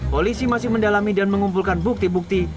polisi masih mendalami dan mengumpulkan bukti bukti